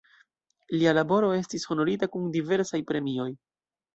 Lia laboro estis honorita kun diversaj premioj.